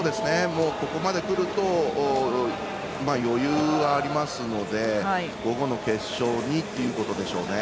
ここまでくると余裕がありますので午後の決勝にということでしょうね。